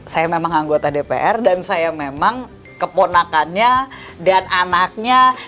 saya memang anggota dpr dan saya memang keponakannya dan anaknya